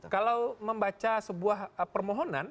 kalau membaca sebuah permohonan